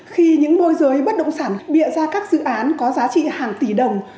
khi những môi giới bất động sản bịa ra các dự án có giá trị hàng tỷ đồng